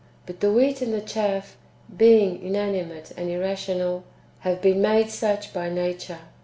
But the wheat and the chaff, being inanimate and irrational, have been made such by nature.